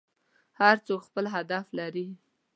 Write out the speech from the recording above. هر څوک خپل هدف لري.